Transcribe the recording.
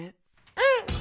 うん！